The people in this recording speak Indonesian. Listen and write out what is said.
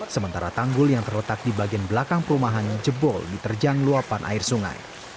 sementara tanggul yang terletak di bagian belakang perumahan jebol diterjang luapan air sungai